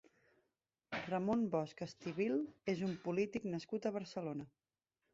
Ramon Bosch Estivil és un polític nascut a Barcelona.